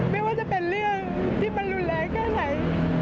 ไม่ว่าจะเป็นเรื่องที่มันรุนแรงแค่ไหน